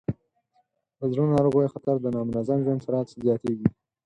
د زړه ناروغیو خطر د نامنظم ژوند سره زیاتېږي.